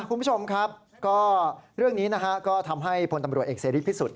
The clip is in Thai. คุณผู้ชมครับก็เรื่องนี้นะฮะก็ทำให้พลตำรวจเอกเสรีพิสุทธิ